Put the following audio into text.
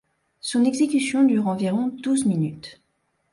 Son exécution dure environ douze minutes.